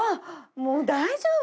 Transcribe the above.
もう大丈夫？